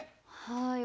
はい。